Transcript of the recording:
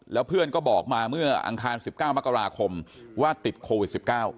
แล้วเพื่อนก็บอกมาเมื่ออังคาร๑๙มกราคมว่าติดโควิด๑๙